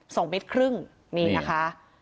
สองเมตรครึ่งนี่นะคะ